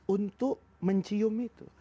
untuk mencium itu